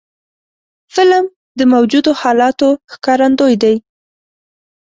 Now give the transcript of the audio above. فلم د موجودو حالاتو ښکارندوی دی